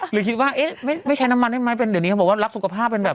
หรือคิดว่าเอ๊ะไม่ใช้น้ำมันได้ไหมเป็นเดี๋ยวนี้เขาบอกว่ารักสุขภาพเป็นแบบ